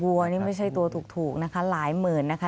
วัวนี่ไม่ใช่ตัวถูกนะคะหลายหมื่นนะคะ